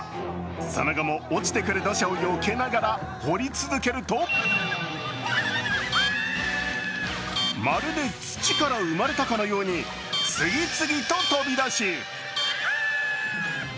その後も落ちてくる土砂をよけながら掘り続けるとまるで土から生まれたかのように次々と飛び出し